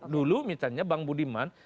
dulu misalnya bang budiman